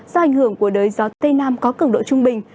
do ảnh hưởng của đới gió tây nam có cường độ trung bình